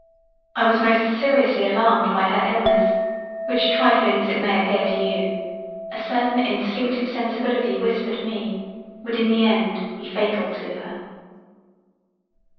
I was most seriously alarmed by her illness which trifling as it may appear to you, a certain instinctive sensibility whispered me, would in the End be fatal to her.